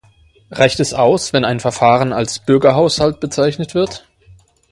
Reicht es aus, wenn ein Verfahren als Bürgerhaushalt bezeichnet wird?